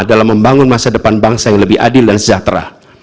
dalam membangun masa depan bangsa yang lebih adil dan sejahtera